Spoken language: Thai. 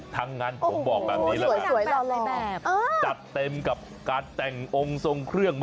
ทั้งงานผมบอกตามนี้แล้วกันหรือ